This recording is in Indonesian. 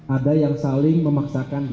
ada yang saling memaksakan